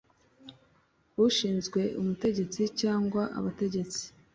ushinzwe umutegetsi cyangwa abategetsi